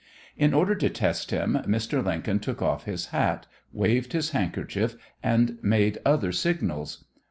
In order to test him, Mr. Lincoln took off his hat, waved his handkerchief, and made other signals.